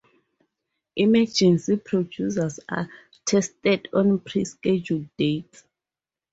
Emergency procedures are tested on pre-scheduled dates.